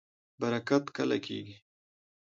برکت کله کیږي؟